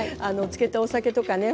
漬けたお酒とかね